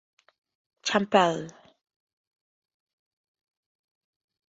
Campbell.